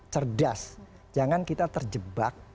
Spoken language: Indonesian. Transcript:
cerdas jangan kita terjebak